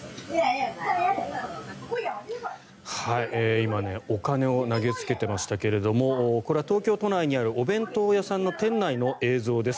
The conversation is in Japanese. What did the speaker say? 今、お金を投げつけていましたけれどもこれは東京都内にあるお弁当屋さんの店内の映像です。